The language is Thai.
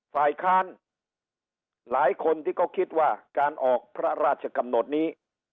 ฝ่ายค้านหลายคนที่เขาคิดว่าการออกพระราชกำหนดนี้